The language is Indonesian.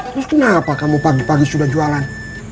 terus kenapa kamu pagi pagi sudah jualan